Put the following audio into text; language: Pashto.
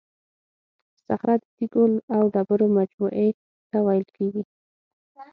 صخره د تیکو او ډبرو مجموعې ته ویل کیږي.